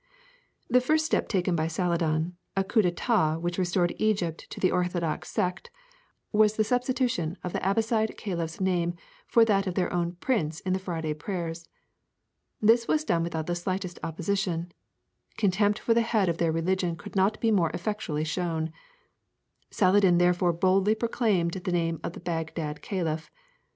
The first step taken by Saladin, a coup d'état which restored Egypt to the orthodox sect, was the substitution of the Abbaside caliph's name for that of their own prince in the Friday prayers. This was done without the slightest opposition; contempt for the head of their religion could not be more effectually shown; Saladin therefore boldly proclaimed the name of the Baghdad caliph.